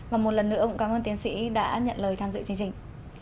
và một lần nữa cũng cảm ơn tiến sĩ đã nhận lời tham dự chương trình